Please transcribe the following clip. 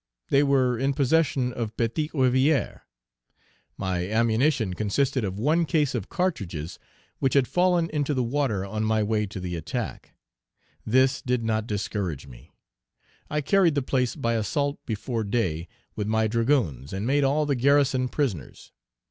They were in possession of Petite Rivière. My ammunition consisted of one case of cartridges which had fallen into the water on my way to the attack; this did not discourage me. I carried the place by assault before day, with my dragoons, and made all the garrison prisoners.